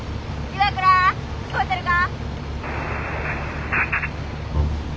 岩倉聞こえるか？